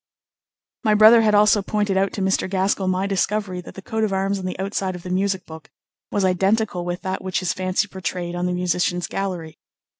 My brother had also pointed out to Mr. Gaskell my discovery that the coat of arms on the outside of the music book was identical with that which his fancy portrayed on the musicians' gallery.